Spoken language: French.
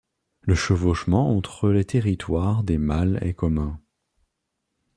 Le chevauchement entre les territoires des mâles est commun.